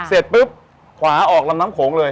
เสร็จปุ๊บขวาออกลำน้ำโขงเลย